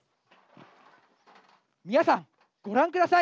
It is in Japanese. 皆さんご覧下さい。